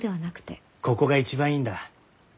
ここが一番いいんだ。